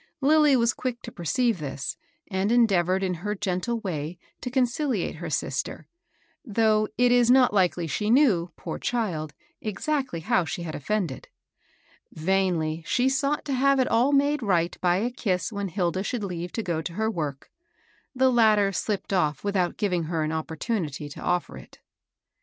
Lilly was quick to perceive this, and endeavored in her gentle way to conciliate her sister; though it is not likely she knew, poor child, exactly how she had offended. Vainly she sought to have it all made right by a kiss when Hilda should leave to go to her work ; the latter slipped off without giving her an opportunity to offer it.